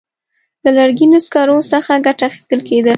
له لرګینو سکرو څخه ګټه اخیستل کېده.